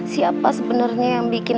siapa sebenernya yang bikin